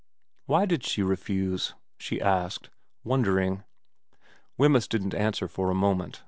* Why did she refuse ?' she asked, wondering. Wemyss didn't answer for a moment.